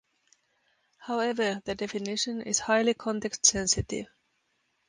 However, the definition is highly context-sensitive.